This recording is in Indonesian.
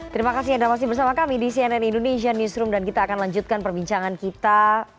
terima kasih anda masih bersama kami di cnn indonesia newsroom dan kita akan lanjutkan perbincangan kita